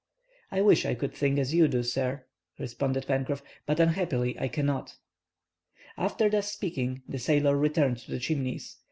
"I wish I could think as you do, sir," responded Pencroff, "but, unhappily, I cannot." After thus speaking the sailor returned to the Chimneys.